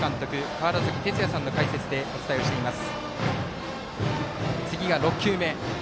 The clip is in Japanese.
川原崎哲也さんの解説でお伝えをしています。